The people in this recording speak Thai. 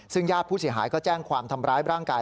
ซึ่งญาติผู้เสียหายก็แจ้งความทำร้ายร่างกาย